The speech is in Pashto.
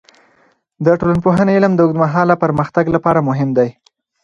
د ټولنپوهنې علم د اوږدمهاله پرمختګ لپاره مهم دی.